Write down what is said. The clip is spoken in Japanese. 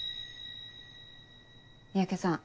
三宅さん